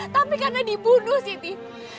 tapi karena dibunuh siti